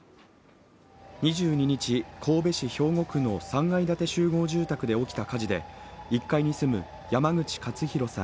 ２２日、神戸市兵庫区の３階建て集合住宅で起きた火事で１階に住む山口勝弘さん